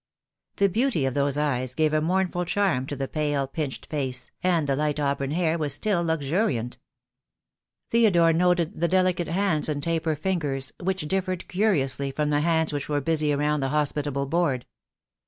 The beauty of those eyes gave a mourn ful charm to the pale pinched face, and the light auburn hair was still luxuriant. Theodore noted the delicate hands and taper fingers, which differed curiously from the hands which were busy around the hospitable board.